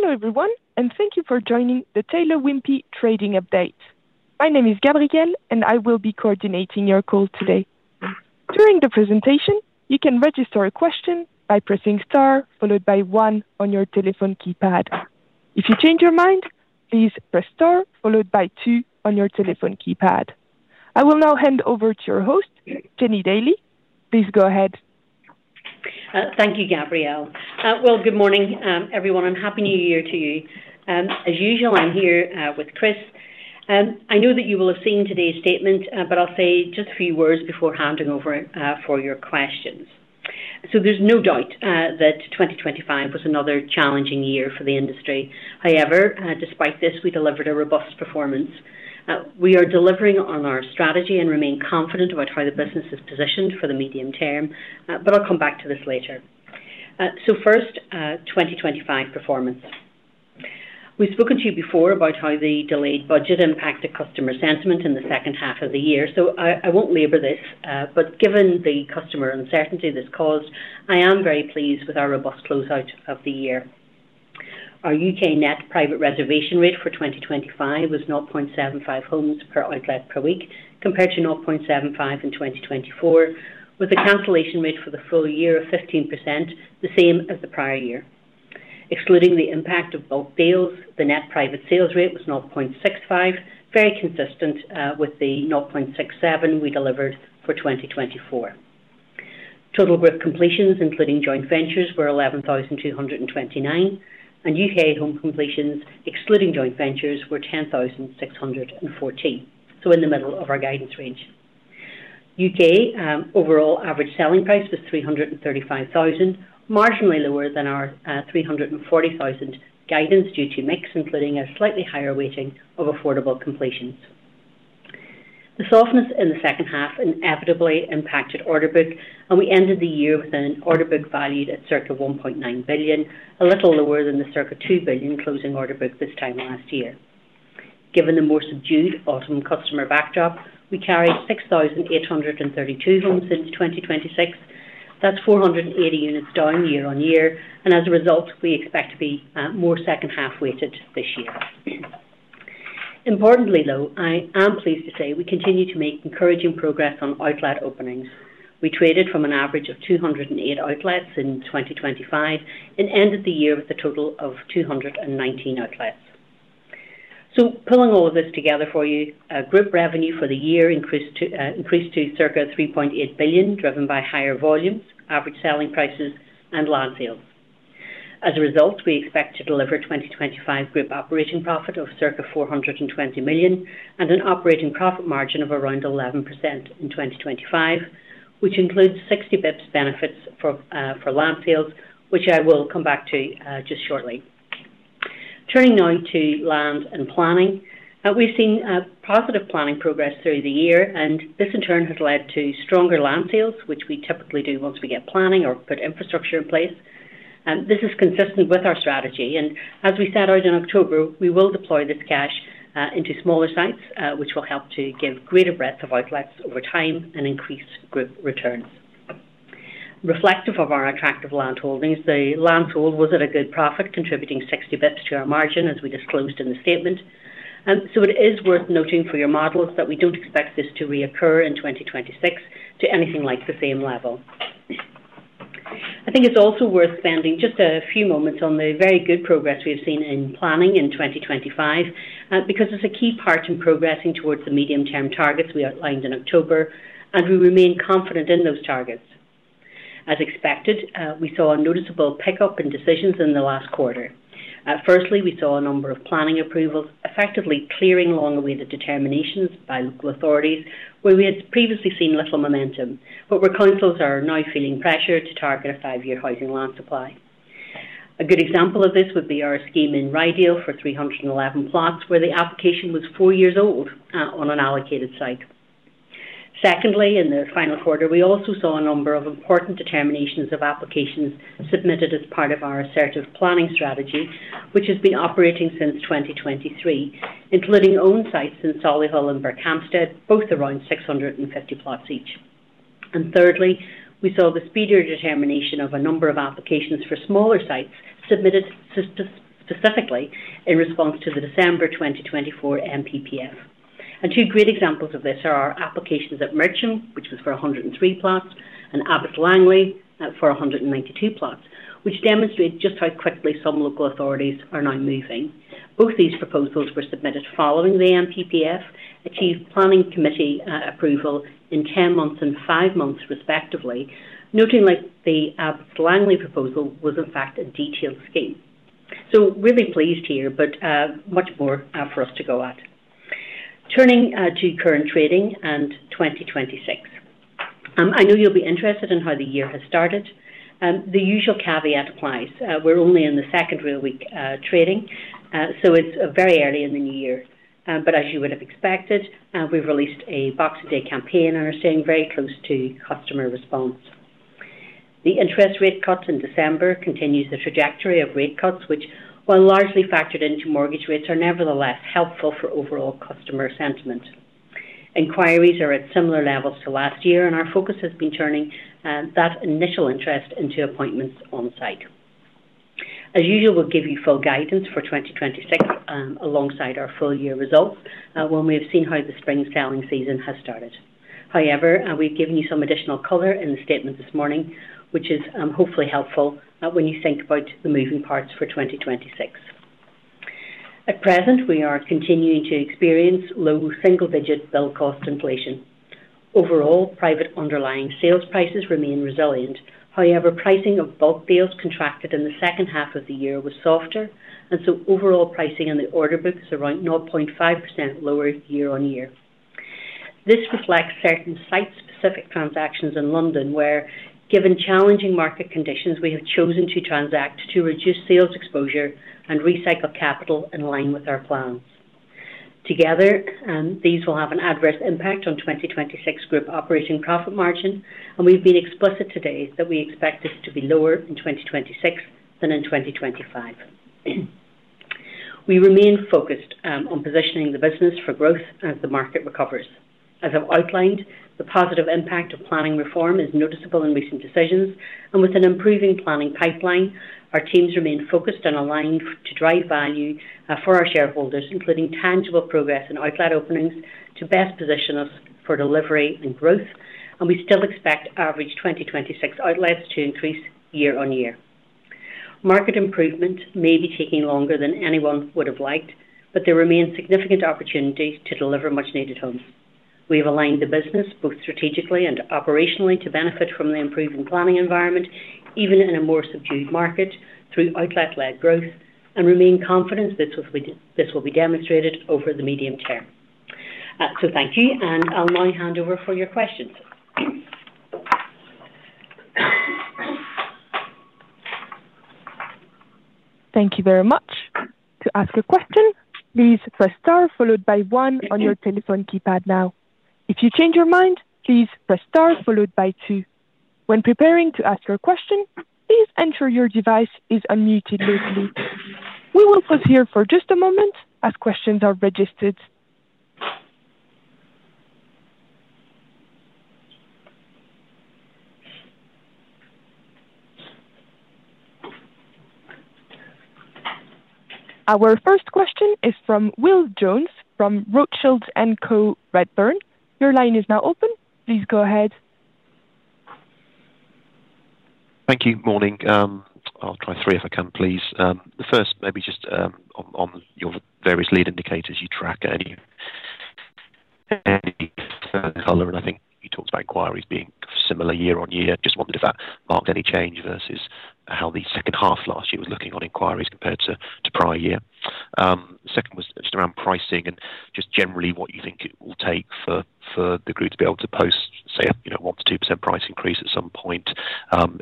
Hello everyone, and thank you for joining the Taylor Wimpey Trading Update. My name is Gabrielle, and I will be coordinating your call today. During the presentation, you can register a question by pressing star followed by one on your telephone keypad. If you change your mind, please press star followed by two on your telephone keypad. I will now hand over to your host, Jennie Daly. Please go ahead. Thank you, Gabrielle. Well, good morning, everyone. A happy New Year to you. As usual, I'm here with Chris. I know that you will have seen today's statement, but I'll say just a few words before handing over for your questions. So there's no doubt that 2025 was another challenging year for the industry. However, despite this, we delivered a robust performance. We are delivering on our strategy and remain confident about how the business is positioned for the medium term, but I'll come back to this later. So first, 2025 performance. We've spoken to you before about how the delayed budget impacted customer sentiment in the second half of the year. So I won't labor this, but given the customer uncertainty this caused, I am very pleased with our robust closeout of the year. Our UK net private reservation rate for 2025 was 0.75 homes per outlet per week, compared to 0.75 in 2024, with a cancellation rate for the full year of 15%, the same as the prior year. Excluding the impact of bulk sales, the net private sales rate was 0.65, very consistent with the 0.67 we delivered for 2024. Total group completions, including joint ventures, were 11,229, and UK home completions, excluding joint ventures, were 10,614. So in the middle of our guidance range. UK overall average selling price was 335,000, marginally lower than our 340,000 guidance due to mix, including a slightly higher weighting of affordable completions. The softness in the second half inevitably impacted order book, and we ended the year with an order book valued at circa 1.9 billion, a little lower than the circa 2 billion closing order book this time last year. Given the more subdued autumn customer backdrop, we carried 6,832 homes since 2026. That's 480 units down year-on-year, and as a result, we expect to be more second half weighted this year. Importantly, though, I am pleased to say we continue to make encouraging progress on outlet openings. We traded from an average of 208 outlets in 2025 and ended the year with a total of 219 outlets. Pulling all of this together for you, group revenue for the year increased to circa 3.8 billion, driven by higher volumes, average selling prices, and land sales. As a result, we expect to deliver 2025 group operating profit of circa 420 million and an operating profit margin of around 11% in 2025, which includes 60 basis points benefits for land sales, which I will come back to just shortly. Turning now to land and planning, we've seen positive planning progress through the year, and this in turn has led to stronger land sales, which we typically do once we get planning or put infrastructure in place. This is consistent with our strategy, and as we set out in October, we will deploy this cash into smaller sites, which will help to give greater breadth of outlets over time and increase group returns. Reflective of our attractive land holdings, the land sold was at a good profit, contributing 60 basis points to our margin, as we disclosed in the statement. So it is worth noting for your models that we don't expect this to reoccur in 2026 to anything like the same level. I think it's also worth spending just a few moments on the very good progress we have seen in planning in 2025, because it's a key part in progressing towards the medium term targets we outlined in October, and we remain confident in those targets. As expected, we saw a noticeable pickup in decisions in the last quarter. Firstly, we saw a number of planning approvals effectively clearing along the way the determinations by local authorities, where we had previously seen little momentum, but where councils are now feeling pressure to target a five-year housing land supply. A good example of this would be our scheme in [Ryedale] for 311 plots, where the application was four years old on an allocated site. Secondly, in the final quarter, we also saw a number of important determinations of applications submitted as part of our assertive planning strategy, which has been operating since 2023, including owned sites in Solihull and Berkhamsted, both around 650 plots each. And thirdly, we saw the speedier determination of a number of applications for smaller sites submitted specifically in response to the December 2024 NPPF. And two great examples of this are our applications at Marcham, which was for 103 plots, and Abotts Langley for 192 plots, which demonstrated just how quickly some local authorities are now moving. Both these proposals were submitted following the NPPF, achieved planning committee approval in 10 months and five months, respectively, noting that the Abotts Langley proposal was, in fact, a detailed scheme. So really pleased here, but much more for us to go at. Turning to current trading and 2026. I know you'll be interested in how the year has started. The usual caveat applies. We're only in the second real week trading, so it's very early in the new year. But as you would have expected, we've released a Boxing Day campaign and are staying very close to customer response. The interest rate cut in December continues the trajectory of rate cuts, which, while largely factored into mortgage rates, are nevertheless helpful for overall customer sentiment. Inquiries are at similar levels to last year, and our focus has been turning that initial interest into appointments on site. As usual, we'll give you full guidance for 2026 alongside our full year results when we have seen how the spring selling season has started. However, we've given you some additional color in the statement this morning, which is hopefully helpful when you think about the moving parts for 2026. At present, we are continuing to experience low single-digit build cost inflation. Overall, private underlying sales prices remain resilient. However, pricing of bulk sales contracted in the second half of the year was softer, and so overall pricing on the order book is around 0.5% lower year-on-year. This reflects certain site-specific transactions in London, where, given challenging market conditions, we have chosen to transact to reduce sales exposure and recycle capital in line with our plans. Together, these will have an adverse impact on 2026 group operating profit margin, and we've been explicit today that we expect this to be lower in 2026 than in 2025. We remain focused on positioning the business for growth as the market recovers. As I've outlined, the positive impact of planning reform is noticeable in recent decisions, and with an improving planning pipeline, our teams remain focused and aligned to drive value for our shareholders, including tangible progress in outlet openings to best position us for delivery and growth, and we still expect average 2026 outlets to increase year-on-year. Market improvement may be taking longer than anyone would have liked, but there remain significant opportunities to deliver much-needed homes. We have aligned the business both strategically and operationally to benefit from the improving planning environment, even in a more subdued market, through outlet-led growth, and remain confident this will be demonstrated over the medium term. So thank you, and I'll now hand over for your questions. Thank you very much. To ask a question, please press star followed by one on your telephone keypad now. If you change your mind, please press star followed by two. When preparing to ask your question, please ensure your device is unmuted locally. We will pause here for just a moment as questions are registered. Our first question is from Will Jones from Rothschild & Co Redburn. Your line is now open. Please go ahead. Thank you. Morning. I'll try three if I can, please. The first, maybe just on your various lead indicators you track, and I think you talked about inquiries being similar year-on-year. Just wondered if that marked any change versus how the second half last year was looking on inquiries compared to prior year. The second was just around pricing and just generally what you think it will take for the group to be able to post, say, a 1%-2% price increase at some point.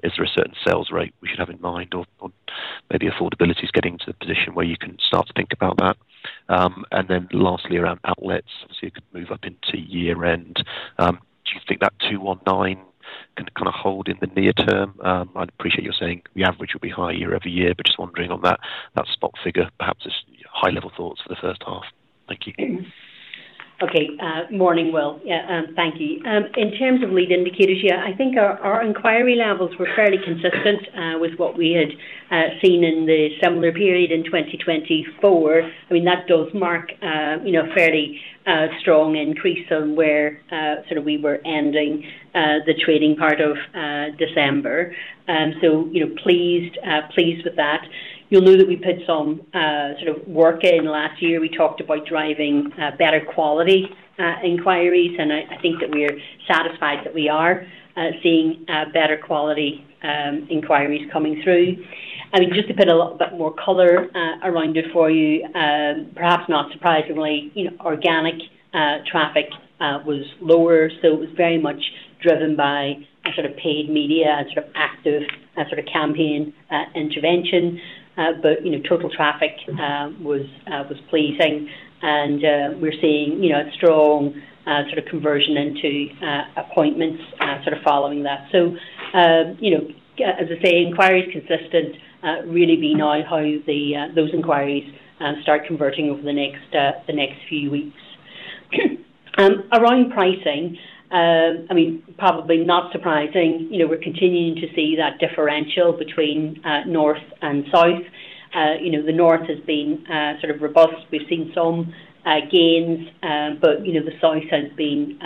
Is there a certain sales rate we should have in mind, or maybe affordability is getting to the position where you can start to think about that? And then lastly, around outlets, obviously it could move up into year-end. Do you think that 219 can kind of hold in the near term? I'd appreciate your saying the average will be high year-over-year, but just wondering on that spot figure, perhaps just high-level thoughts for the first half. Thank you. Okay. Morning, Will. Yeah, thank you. In terms of lead indicators, yeah, I think our inquiry levels were fairly consistent with what we had seen in the similar period in 2024. I mean, that does mark a fairly strong increase on where sort of we were ending the trading part of December. So pleased with that. You'll know that we put some sort of work in last year. We talked about driving better quality inquiries, and I think that we're satisfied that we are seeing better quality inquiries coming through. I mean, just to put a little bit more color around it for you, perhaps not surprisingly, organic traffic was lower, so it was very much driven by sort of paid media and sort of active sort of campaign intervention. But total traffic was pleasing, and we're seeing a strong sort of conversion into appointments sort of following that. As I say, inquiries consistently really being now how those inquiries start converting over the next few weeks. Around pricing, I mean, probably not surprising, we're continuing to see that differential between north and south. The north has been sort of robust. We've seen some gains, but the south has been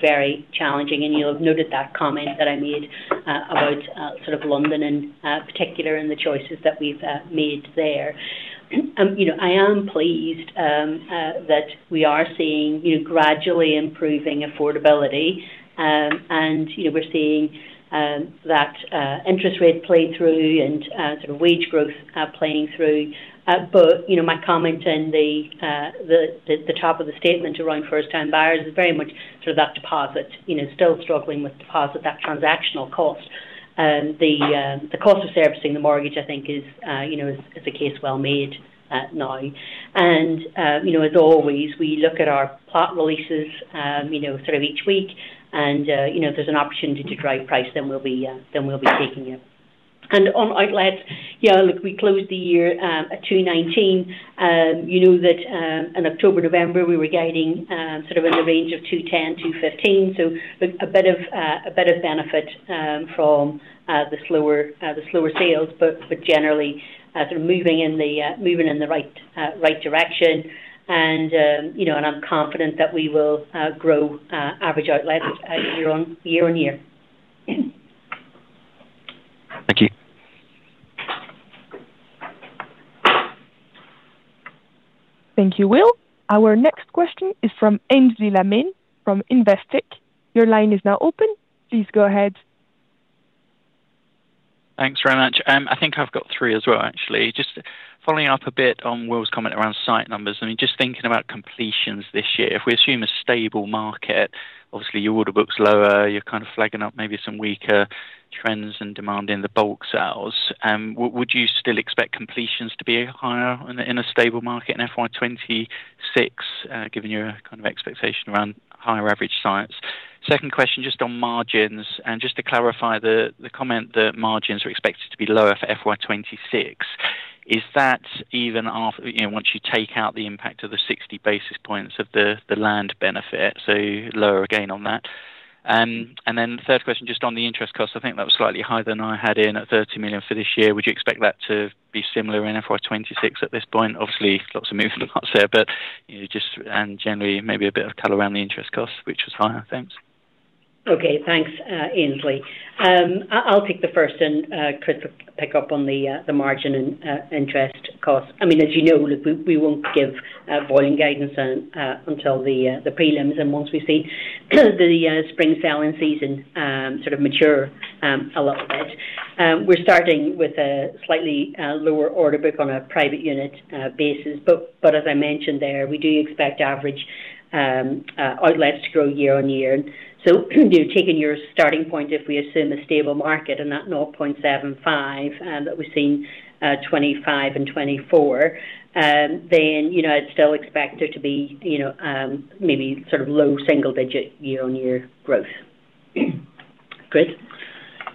very challenging. You'll have noted that comment that I made about sort of London in particular and the choices that we've made there. I am pleased that we are seeing gradually improving affordability, and we're seeing that interest rate play through and sort of wage growth playing through. My comment in the top of the statement around first-time buyers is very much sort of that deposit, still struggling with deposit, that transactional cost. The cost of servicing the mortgage, I think, is a case well made now. And as always, we look at our plot releases sort of each week, and if there's an opportunity to drive price, then we'll be taking it. And on outlets, yeah, look, we closed the year at 219. You know that in October, November, we were gaining sort of in the range of 210-215, so a bit of benefit from the slower sales, but generally sort of moving in the right direction. And I'm confident that we will grow average outlets year-on-year. Thank you. Thank you, Will. Our next question is from Aynsley Lammin from Investec. Your line is now open. Please go ahead. Thanks very much. I think I've got three as well, actually. Just following up a bit on Will's comment around site numbers, I mean, just thinking about completions this year, if we assume a stable market, obviously your order book's lower, you're kind of flagging up maybe some weaker trends and demand in the bulk sales. Would you still expect completions to be higher in a stable market in FY 2026, given your kind of expectation around higher average sites? Second question, just on margins, and just to clarify the comment that margins are expected to be lower for FY 2026, is that even once you take out the impact of the 60 basis points of the land benefit, so lower again on that? And then third question, just on the interest cost, I think that was slightly higher than I had in at 30 million for this year. Would you expect that to be similar in FY 2026 at this point? Obviously, lots of moving parts there, but just generally maybe a bit of color around the interest cost, which was higher. Thanks. Okay. Thanks, Aynsley. I'll take the first and Chris will pick up on the margin and interest cost. I mean, as you know, look, we won't give volume guidance until the prelims, and once we see the spring selling season sort of mature a little bit. We're starting with a slightly lower order book on a private unit basis, but as I mentioned there, we do expect average outlets to grow year-on-year. So taking your starting point, if we assume a stable market and that 0.75 that we've seen 2025 and 2024, then I'd still expect there to be maybe sort of low single-digit year-on-year growth. Chris?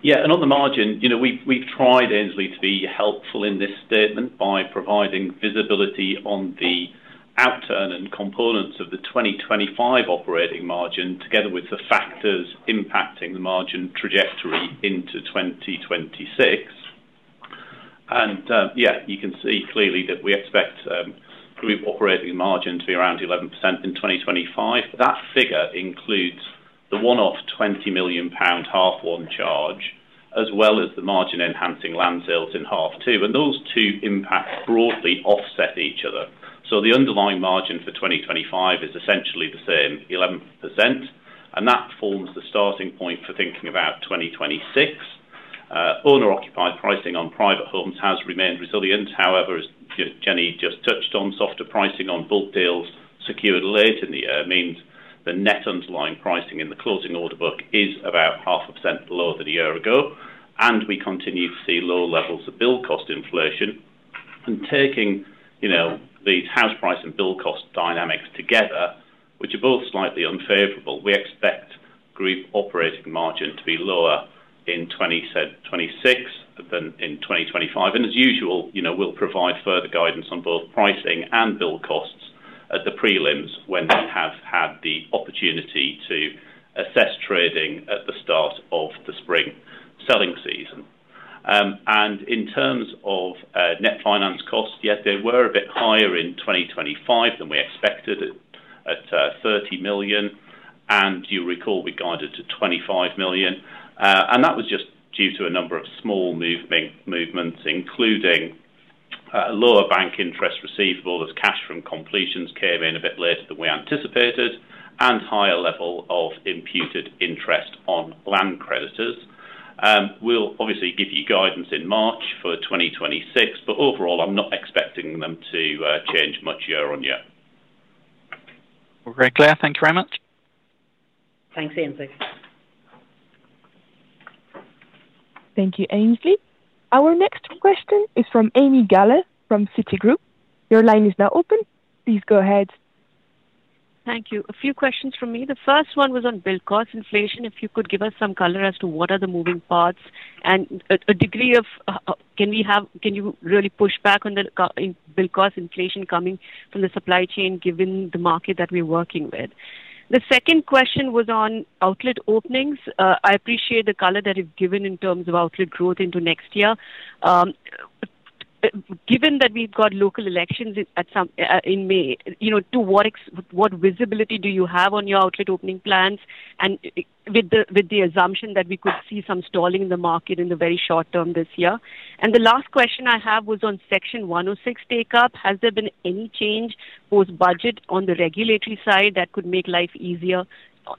Yeah. And on the margin, we've tried, Aynsley, to be helpful in this statement by providing visibility on the outturn and components of the 2025 operating margin together with the factors impacting the margin trajectory into 2026. And yeah, you can see clearly that we expect group operating margin to be around 11% in 2025. That figure includes the one-off 20 million pound half-one charge, as well as the margin-enhancing land sales in half two. And those two impacts broadly offset each other. So the underlying margin for 2025 is essentially the same, 11%, and that forms the starting point for thinking about 2026. Owner-occupied pricing on private homes has remained resilient. However, as Jennie just touched on, softer pricing on bulk deals secured late in the year means the net underlying pricing in the closing order book is about 0.5% lower than a year ago, and we continue to see lower levels of build cost inflation. Taking these house price and build cost dynamics together, which are both slightly unfavorable, we expect group operating margin to be lower in 2026 than in 2025. As usual, we'll provide further guidance on both pricing and build costs at the prelims when we have had the opportunity to assess trading at the start of the spring selling season. In terms of net finance cost, yes, they were a bit higher in 2025 than we expected at 30 million. You'll recall we guided to 25 million. That was just due to a number of small movements, including lower bank interest receivable as cash from completions came in a bit later than we anticipated, and higher level of imputed interest on land creditors. We'll obviously give you guidance in March for 2026, but overall, I'm not expecting them to change much year-on-year. Great color, thank you very much. Thanks, Aynsley. Thank you, Aynsley. Our next question is from Ami Galla from Citigroup. Your line is now open. Please go ahead. Thank you. A few questions from me. The first one was on build cost inflation. If you could give us some color as to what are the moving parts and a degree of can you really push back on the build cost inflation coming from the supply chain given the market that we're working with? The second question was on outlet openings. I appreciate the color that you've given in terms of outlet growth into next year. Given that we've got local elections in May, to what visibility do you have on your outlet opening plans with the assumption that we could see some stalling in the market in the very short term this year? And the last question I have was on Section 106 take-up. Has there been any change post-budget on the regulatory side that could make life easier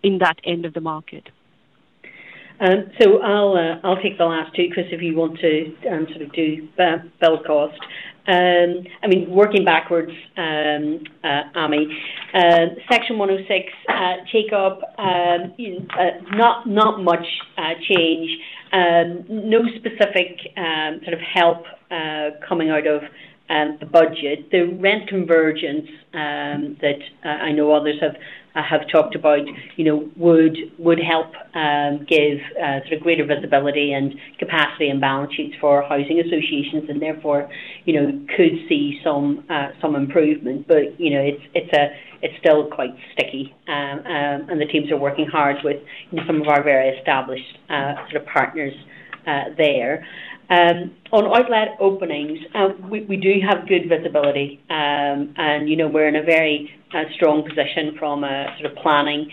in that end of the market? I'll take the last two, Chris, if you want to sort of do build cost. I mean, working backwards, Ami. Section 106 take-up, not much change. No specific sort of help coming out of the budget. The rent convergence that I know others have talked about would help give sort of greater visibility and capacity and balance sheets for housing associations and therefore could see some improvement. But it's still quite sticky, and the teams are working hard with some of our very established sort of partners there. On outlet openings, we do have good visibility, and we're in a very strong position from a sort of planning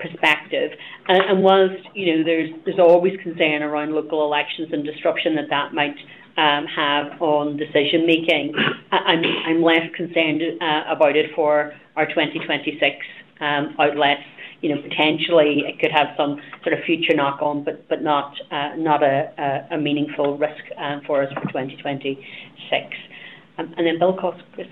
perspective. Whilst there's always concern around local elections and disruption that that might have on decision-making, I'm less concerned about it for our 2026 outlets. Potentially, it could have some sort of future knock-on, but not a meaningful risk for us for 2026. And then build cost, Chris.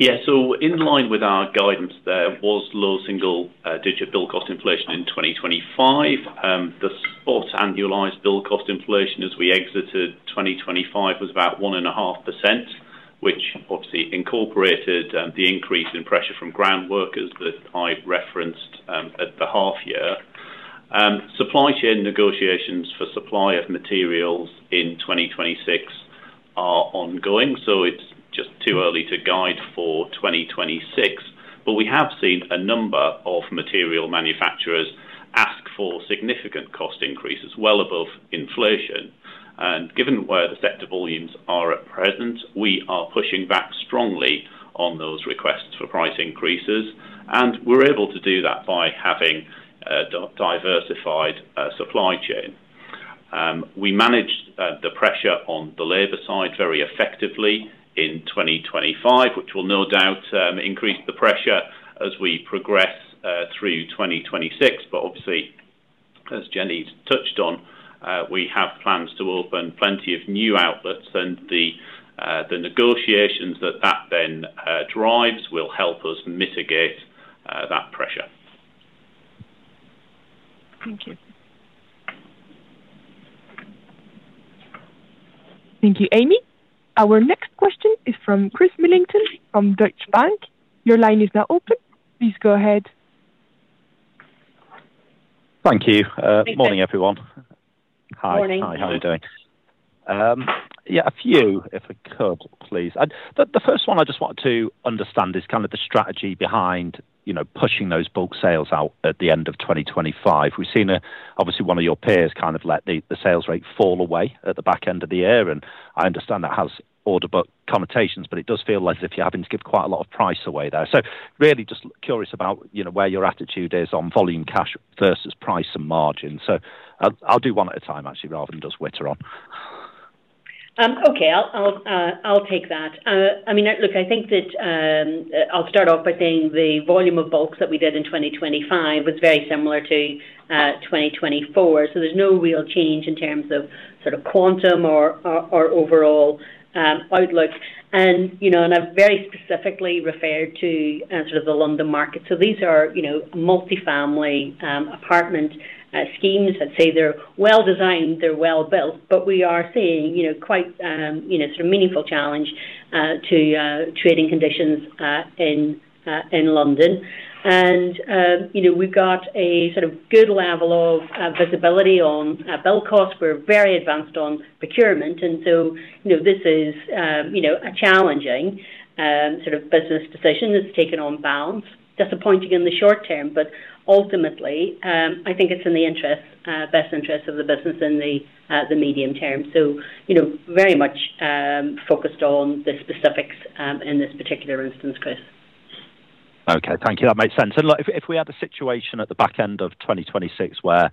Yeah. So in line with our guidance, there was low single-digit build cost inflation in 2025. The spot annualized build cost inflation as we exited 2025 was about 1.5%, which obviously incorporated the increase in pressure from groundworkers that I referenced at the half year. Supply chain negotiations for supply of materials in 2026 are ongoing, so it's just too early to guide for 2026. But we have seen a number of material manufacturers ask for significant cost increases well above inflation. And given where the sector volumes are at present, we are pushing back strongly on those requests for price increases, and we're able to do that by having a diversified supply chain. We managed the pressure on the labor side very effectively in 2025, which will no doubt increase the pressure as we progress through 2026. But obviously, as Jennie's touched on, we have plans to open plenty of new outlets, and the negotiations that that then drives will help us mitigate that pressure. Thank you. Thank you, Ami. Our next question is from Chris Millington from Deutsche Bank. Your line is now open. Please go ahead. Thank you. Morning, everyone. Hi. Morning. Hi. How are you doing? Yeah, a few, if I could, please. The first one I just want to understand is kind of the strategy behind pushing those bulk sales out at the end of 2025. We've seen, obviously, one of your peers kind of let the sales rate fall away at the back end of the year, and I understand that has order book connotations, but it does feel as if you're having to give quite a lot of price away there. So really just curious about where your attitude is on volume cash versus price and margin. So I'll do one at a time, actually, rather than just witter on. Okay. I'll take that. I mean, look, I think that I'll start off by saying the volume of bulks that we did in 2025 was very similar to 2024. So there's no real change in terms of sort of quantum or overall outlook. And I've very specifically referred to sort of the London market. So these are multifamily apartment schemes. I'd say they're well designed, they're well built, but we are seeing quite sort of meaningful challenge to trading conditions in London. And we've got a sort of good level of visibility on build cost. We're very advanced on procurement, and so this is a challenging sort of business decision that's taken on balance. Disappointing in the short term, but ultimately, I think it's in the best interest of the business in the medium term. So very much focused on the specifics in this particular instance, Chris. Okay. Thank you. That makes sense. And look, if we had a situation at the back end of 2026 where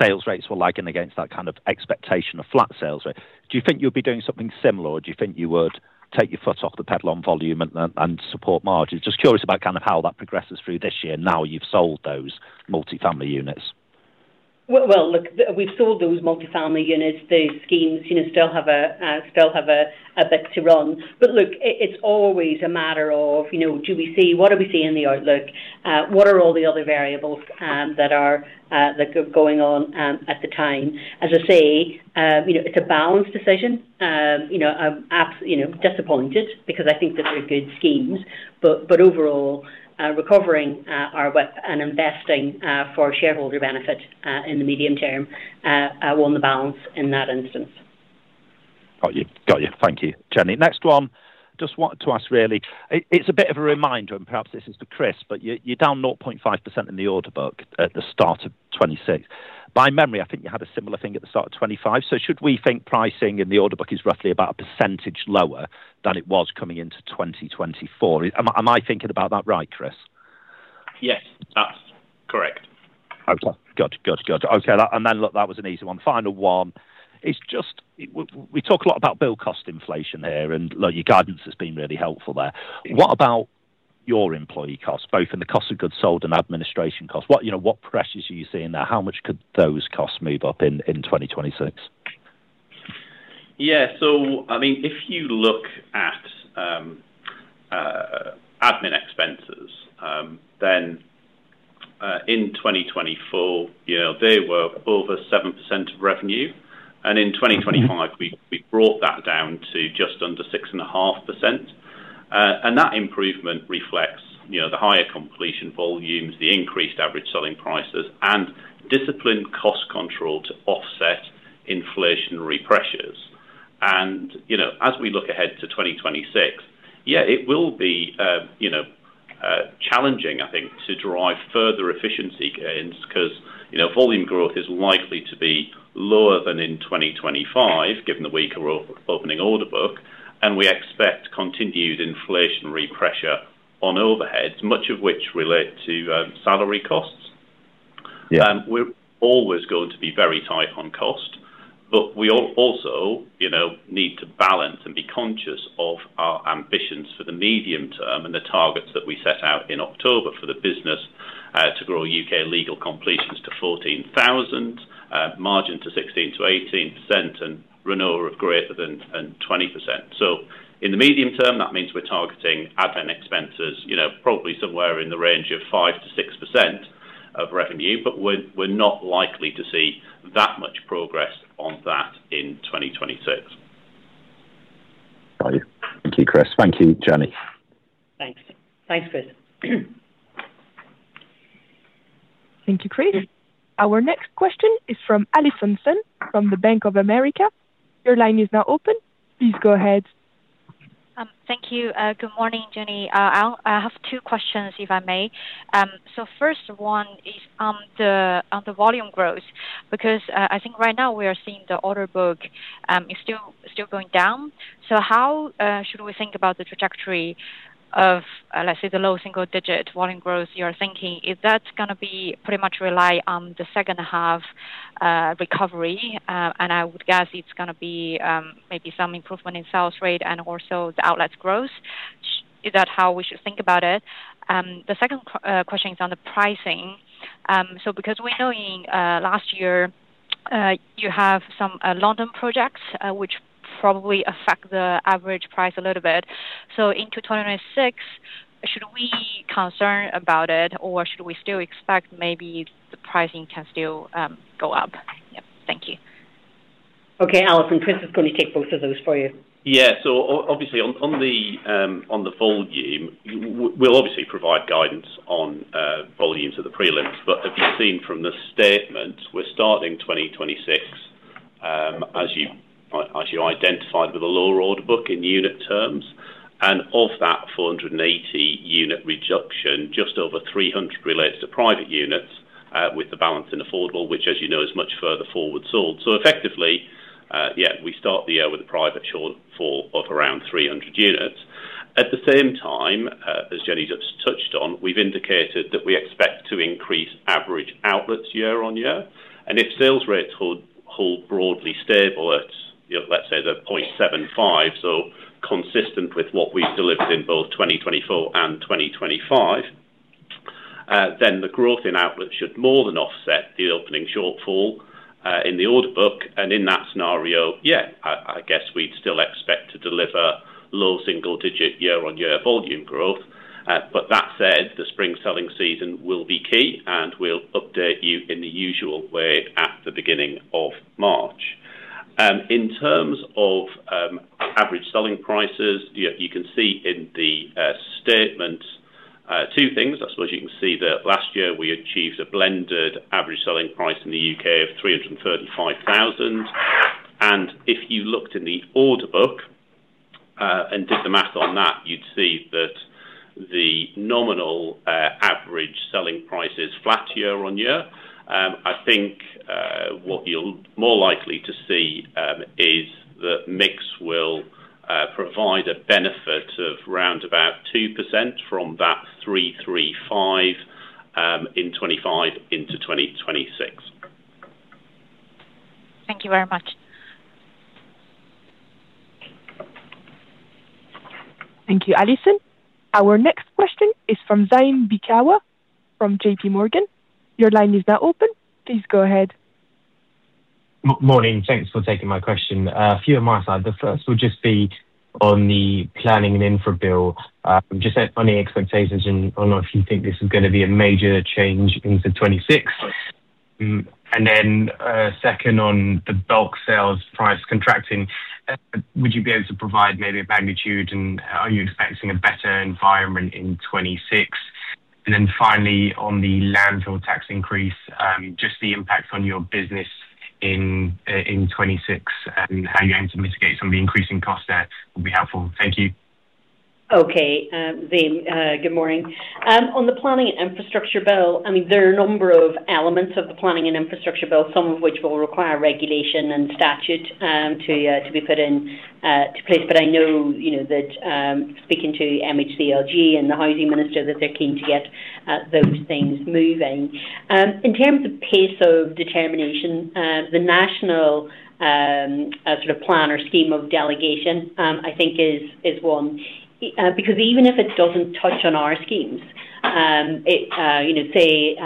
sales rates were lagging against that kind of expectation of flat sales rate, do you think you'll be doing something similar, or do you think you would take your foot off the pedal on volume and support margins? Just curious about kind of how that progresses through this year now you've sold those multifamily units. Look, we've sold those multifamily units. The schemes still have a bit to run. But look, it's always a matter of, do we see what are we seeing in the outlook? What are all the other variables that are going on at the time? As I say, it's a balanced decision. I'm disappointed because I think that they're good schemes, but overall, recovering our debt and investing for shareholder benefit in the medium term tipped the balance in that instance. Got you. Got you. Thank you, Jennie. Next one, just wanted to ask really. It's a bit of a reminder, and perhaps this is for Chris, but you're down 0.5% in the order book at the start of 2026. By memory, I think you had a similar thing at the start of 2025. So should we think pricing in the order book is roughly about a percentage lower than it was coming into 2024? Am I thinking about that right, Chris? Yes. That's correct. And then look, that was an easy one. Final one. We talk a lot about build cost inflation here, and your guidance has been really helpful there. What about your employee costs, both in the cost of goods sold and administration costs? What pressures are you seeing there? How much could those costs move up in 2026? Yeah. So I mean, if you look at admin expenses, then in 2024, they were over 7% of revenue. And in 2025, we brought that down to just under 6.5%. And that improvement reflects the higher completion volumes, the increased average selling prices, and disciplined cost control to offset inflationary pressures. And as we look ahead to 2026, yeah, it will be challenging, I think, to drive further efficiency gains because volume growth is likely to be lower than in 2025, given the weaker opening order book. And we expect continued inflationary pressure on overheads, much of which relate to salary costs. We're always going to be very tight on cost, but we also need to balance and be conscious of our ambitions for the medium term and the targets that we set out in October for the business to grow UK legal completions to 14,000, margin to 16%-18%, and [ROCE] greater than 20%. So in the medium term, that means we're targeting admin expenses probably somewhere in the range of 5%-6% of revenue, but we're not likely to see that much progress on that in 2026. Got you. Thank you, Chris. Thank you, Jennie. Thanks. Thanks, Chris. Thank you, Chris. Our next question is from Allison Sun from the Bank of America. Your line is now open. Please go ahead. Thank you. Good morning, Jennie. I have two questions, if I may. So first one is on the volume growth because I think right now we are seeing the order book is still going down. So how should we think about the trajectory of, let's say, the low single-digit volume growth you're thinking? Is that going to be pretty much rely on the second-half recovery? And I would guess it's going to be maybe some improvement in sales rate and also the outlet's growth. Is that how we should think about it? The second question is on the pricing. So because we know in last year you have some London projects which probably affect the average price a little bit. So into 2026, should we be concerned about it, or should we still expect maybe the pricing can still go up? Yeah. Thank you. Okay. Allison, Chris is going to take both of those for you. Yeah. So obviously, on the volume, we'll obviously provide guidance on volumes of the prelims. But if you've seen from the statement, we're starting 2026, as you identified with the lower order book in unit terms, and of that 480 unit reduction, just over 300 relates to private units with the balance in affordable, which, as you know, is much further forward sold. So effectively, yeah, we start the year with a private shortfall of around 300 units. At the same time, as Jennie just touched on, we've indicated that we expect to increase average outlets year-on-year. And if sales rates hold broadly stable at, let's say, the 0.75, so consistent with what we've delivered in both 2024 and 2025, then the growth in outlets should more than offset the opening shortfall in the order book. In that scenario, yeah, I guess we'd still expect to deliver low single-digit year-on-year volume growth. But that said, the spring selling season will be key, and we'll update you in the usual way at the beginning of March. In terms of average selling prices, you can see in the statement two things. I suppose you can see that last year we achieved a blended average selling price in the UK of 335,000. And if you looked in the order book and did the math on that, you'd see that the nominal average selling price is flat year-on-year. I think what you're more likely to see is the mix will provide a benefit of round about 2% from that 335,000 in 2025 into 2026. Thank you very much. Thank you, Allison. Our next question is from Zaim Beekawa from JPMorgan. Your line is now open. Please go ahead. Morning. Thanks for taking my question. A few on my side. The first would just be on the planning and infrastructure bill. Just on the expectations, I don't know if you think this is going to be a major change into 2026. And then second, on the bulk sales price contracting, would you be able to provide maybe a magnitude, and are you expecting a better environment in 2026? And then finally, on the landfill tax increase, just the impact on your business in 2026 and how you aim to mitigate some of the increasing costs there would be helpful. Thank you. Okay. Zaim, good morning. On the planning and infrastructure bill, I mean, there are a number of elements of the planning and infrastructure bill, some of which will require regulation and statute to be put in place. But I know that speaking to MHCLG and the housing minister, that they're keen to get those things moving. In terms of pace of determination, the national sort of plan or scheme of delegation, I think, is one because even if it doesn't touch on our schemes, say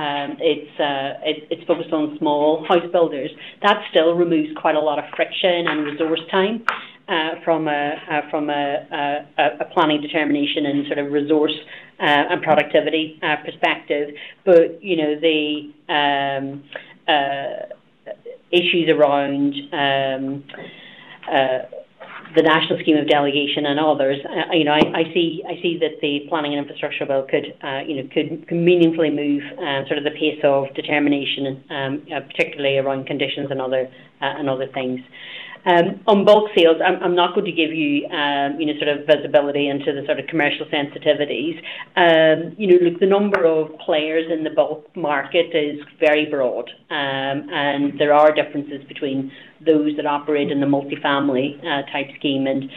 it's focused on small house builders, that still removes quite a lot of friction and resource time from a planning determination and sort of resource and productivity perspective. But the issues around the national scheme of delegation and others, I see that the planning and infrastructure bill could meaningfully move sort of the pace of determination, particularly around conditions and other things. On bulk sales, I'm not going to give you sort of visibility into the sort of commercial sensitivities. Look, the number of players in the bulk market is very broad, and there are differences between those that operate in the multifamily type scheme and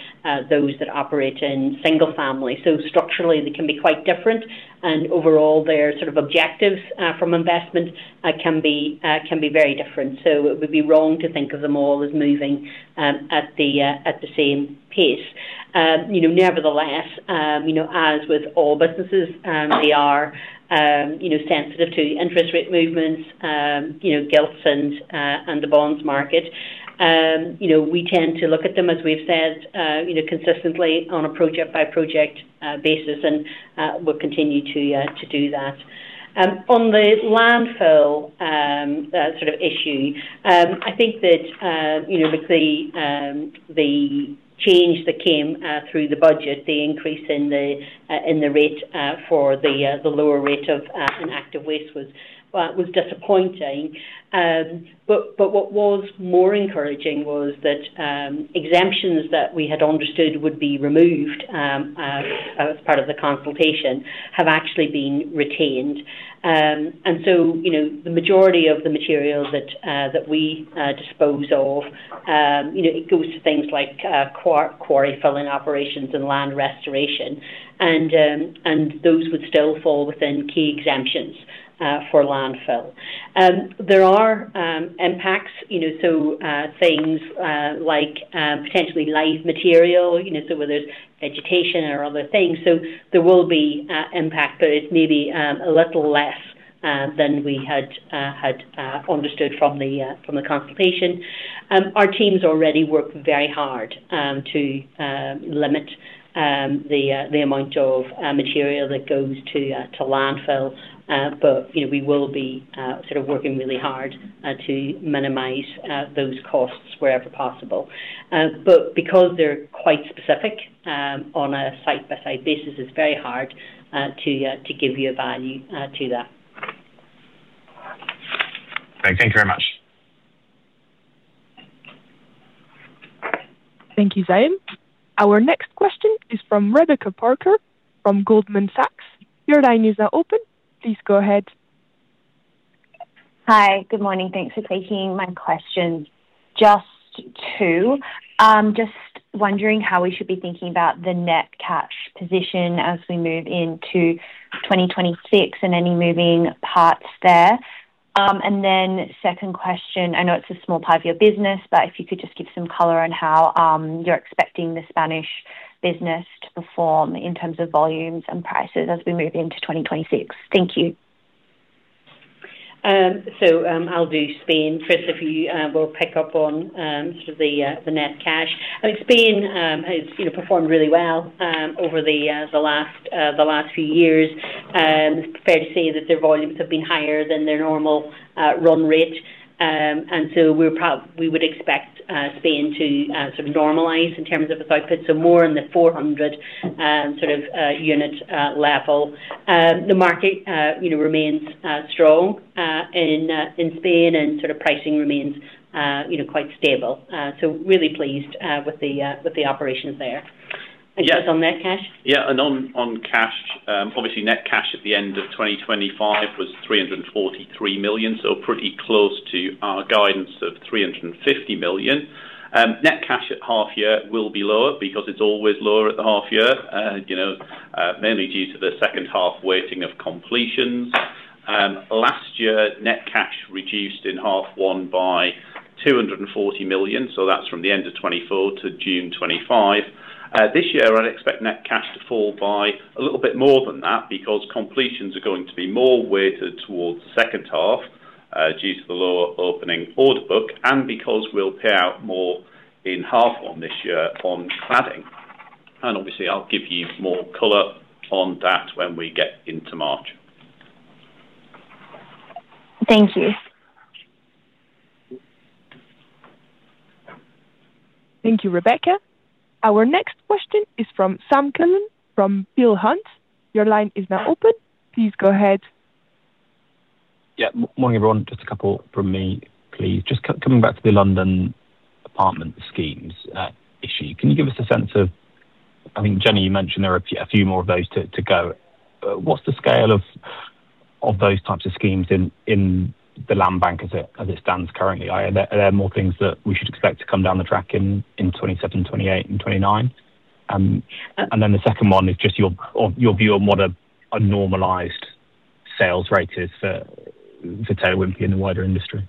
those that operate in single family. So structurally, they can be quite different, and overall, their sort of objectives from investment can be very different, so it would be wrong to think of them all as moving at the same pace. Nevertheless, as with all businesses, they are sensitive to interest rate movements, gilts, and the bonds market. We tend to look at them, as we've said, consistently on a project-by-project basis, and we'll continue to do that. On the landfill sort of issue, I think that, look, the change that came through the budget, the increase in the rate for the lower rate of inert waste was disappointing. But what was more encouraging was that exemptions that we had understood would be removed as part of the consultation have actually been retained. And so the majority of the material that we dispose of, it goes to things like quarry filling operations and land restoration. And those would still fall within key exemptions for landfill. There are impacts, so things like potentially live material, so whether it's vegetation or other things. So there will be impact, but it's maybe a little less than we had understood from the consultation. Our teams already work very hard to limit the amount of material that goes to landfill, but we will be sort of working really hard to minimize those costs wherever possible. But because they're quite specific on a site-by-site basis, it's very hard to give you a value to that. Okay. Thank you very much. Thank you, Zaim. Our next question is from Rebecca Parker from Goldman Sachs. Your line is now open. Please go ahead. Hi. Good morning. Thanks for taking my question. Just two. Just wondering how we should be thinking about the net cash position as we move into 2026 and any moving parts there? And then second question, I know it's a small part of your business, but if you could just give some color on how you're expecting the Spanish business to perform in terms of volumes and prices as we move into 2026? Thank you. So I'll do Spain, Chris, if you will pick up on sort of the net cash. I mean, Spain has performed really well over the last few years. It's fair to say that their volumes have been higher than their normal run rate. And so we would expect Spain to sort of normalize in terms of its output, so more in the 400 sort of unit level. The market remains strong in Spain, and sort of pricing remains quite stable. So really pleased with the operations there. And Chris, on net cash? Yeah. And on cash, obviously, net cash at the end of 2025 was 343 million, so pretty close to our guidance of 350 million. Net cash at half year will be lower because it's always lower at the half year, mainly due to the second-half weighting of completions. Last year, net cash reduced in half one by 240 million. So that's from the end of 2024 to June 2025. This year, I'd expect net cash to fall by a little bit more than that because completions are going to be more weighted towards the second half due to the lower opening order book and because we'll pay out more in half one this year on cladding. And obviously, I'll give you more color on that when we get into March. Thank you. Thank you, Rebecca. Our next question is from Sam Cullen from Peel Hunt. Your line is now open. Please go ahead. Yeah. Morning, everyone. Just a couple from me, please. Just coming back to the London apartment schemes issue, can you give us a sense of I think, Jennie, you mentioned there are a few more of those to go. What's the scale of those types of schemes in the land bank as it stands currently? Are there more things that we should expect to come down the track in 2027, 2028, and 2029? And then the second one is just your view on what a normalized sales rate is for Taylor Wimpey in the wider industry.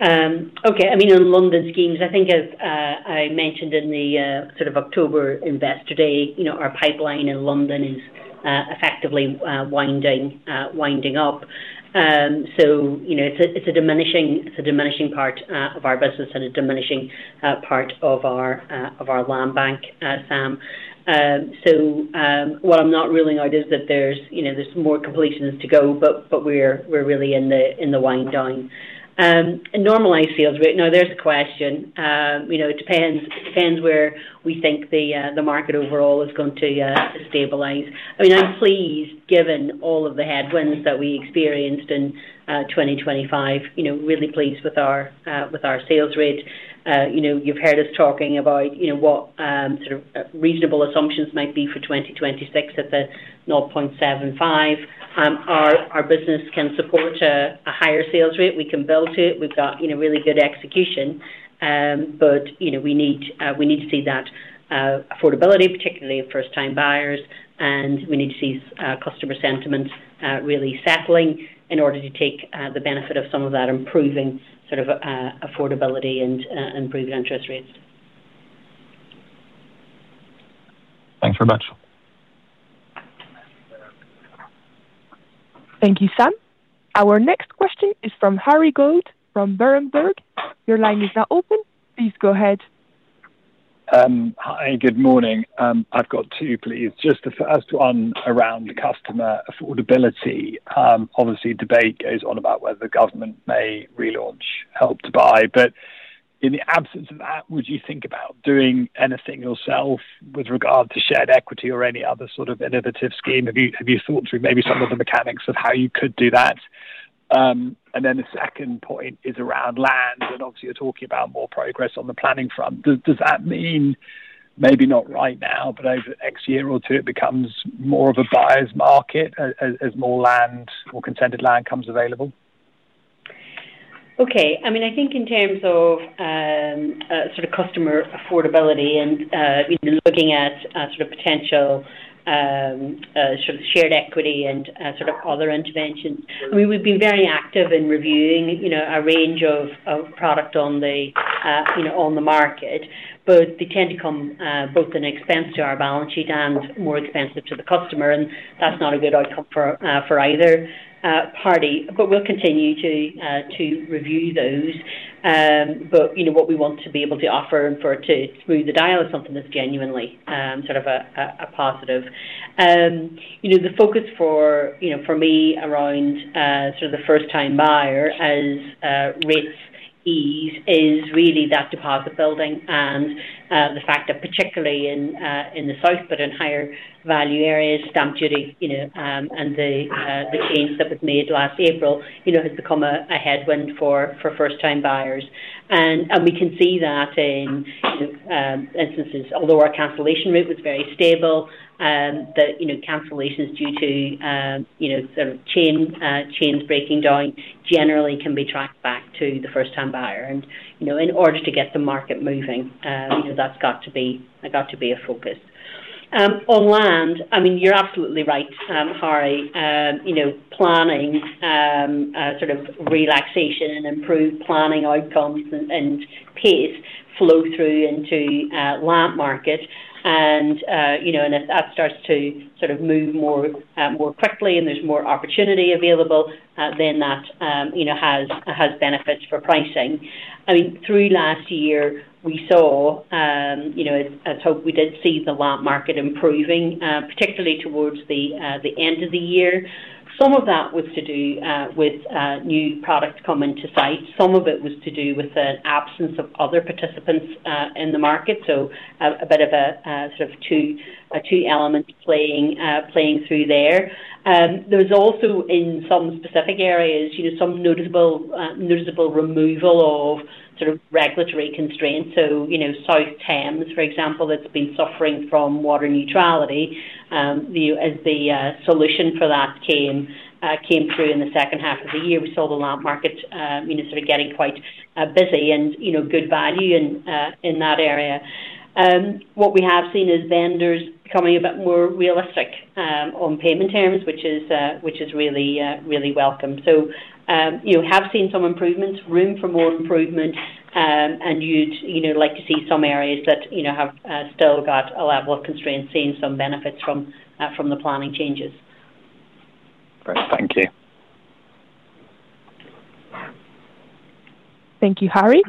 Okay. I mean, on London schemes, I think as I mentioned in the sort of October Investor Day, our pipeline in London is effectively winding up. So it's a diminishing part of our business and a diminishing part of our land bank, Sam. So what I'm not ruling out is that there's more completions to go, but we're really in the wind down. A normalized sales rate, now there's a question. It depends where we think the market overall is going to stabilize. I mean, I'm pleased given all of the headwinds that we experienced in 2025. Really pleased with our sales rate. You've heard us talking about what sort of reasonable assumptions might be for 2026 at the 0.75. Our business can support a higher sales rate. We can build to it. We've got really good execution. But we need to see that affordability, particularly first-time buyers, and we need to see customer sentiment really settling in order to take the benefit of some of that improving sort of affordability and improved interest rates. Thanks very much. Thank you, Sam. Our next question is from Harry Goad from Berenberg. Your line is now open. Please go ahead. Hi. Good morning. I've got two, please. Just the first one around customer affordability. Obviously, debate goes on about whether the government may relaunch Help to Buy, but in the absence of that, would you think about doing anything yourself with regard to shared equity or any other sort of innovative scheme? Have you thought through maybe some of the mechanics of how you could do that? And then the second point is around land, and obviously, you're talking about more progress on the planning front. Does that mean maybe not right now, but over the next year or two, it becomes more of a buyer's market as more land, more consented land comes available? Okay. I mean, I think in terms of sort of customer affordability and looking at sort of potential sort of shared equity and sort of other interventions, I mean, we've been very active in reviewing a range of product on the market. But they tend to come both in expense to our balance sheet and more expensive to the customer. And that's not a good outcome for either party. But we'll continue to review those. But what we want to be able to offer and for it to move the dial is something that's genuinely sort of a positive. The focus for me around sort of the first-time buyer as rates ease is really that deposit building and the fact that particularly in the south, but in higher value areas, Stamp Duty and the change that was made last April has become a headwind for first-time buyers. We can see that in instances, although our cancellation rate was very stable, the cancellations due to sort of chains breaking down generally can be tracked back to the first-time buyer. In order to get the market moving, that's got to be a focus. On land, I mean, you're absolutely right, Harry. Planning sort of relaxation and improved planning outcomes and pace flow through into land market. If that starts to sort of move more quickly and there's more opportunity available, then that has benefits for pricing. I mean, through last year, we saw. I hope we did see the land market improving, particularly towards the end of the year. Some of that was to do with new products coming to site. Some of it was to do with an absence of other participants in the market. So a bit of a sort of two elements playing through there. There's also in some specific areas, some noticeable removal of sort of regulatory constraints. So South Thames, for example, that's been suffering from water neutrality. As the solution for that came through in the second half of the year, we saw the land market sort of getting quite busy and good value in that area. What we have seen is vendors becoming a bit more realistic on payment terms, which is really welcome. So have seen some improvements, room for more improvement, and you'd like to see some areas that have still got a level of constraint, seeing some benefits from the planning changes. Great. Thank you. Thank you, Harry.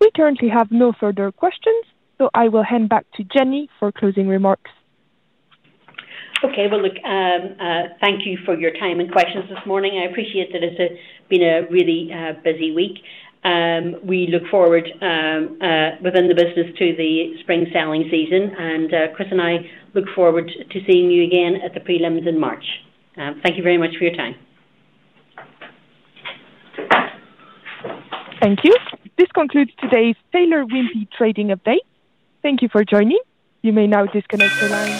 We currently have no further questions, so I will hand back to Jennie for closing remarks. Okay. Well, look, thank you for your time and questions this morning. I appreciate that it's been a really busy week. We look forward within the business to the spring selling season. And Chris and I look forward to seeing you again at the prelims in March. Thank you very much for your time. Thank you. This concludes today's Taylor Wimpey Trading Update. Thank you for joining. You may now disconnect your line.